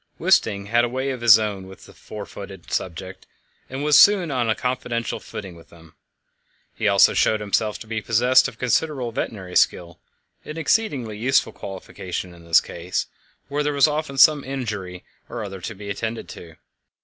Wisting had a way of his own with his four footed subjects, and was soon on a confidential footing with them. He also showed himself to be possessed of considerable veterinary skill an exceedingly useful qualification in this case, where there was often some injury or other to be attended to.